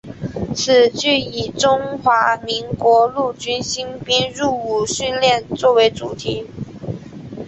此剧以中华民国陆军新兵入伍训练作为主题。